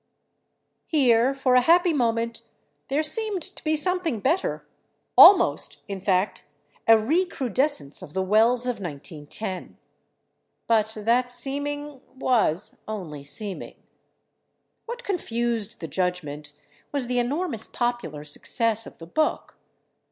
Here, for a happy moment, there seemed to be something better—almost, in fact, a recrudescence of the Wells of 1910. But that seeming was only seeming. What confused the judgment was the enormous popular success of the book.